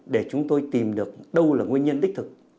để chúng tôi tìm được đâu là nguyên nhân đích thực